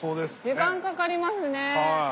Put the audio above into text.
時間かかりますね。